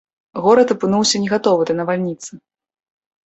Горад апынуўся не гатовы да навальніцы.